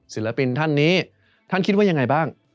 ศิลปินท่านนี้ท่านคิดว่ายังไงบ้าง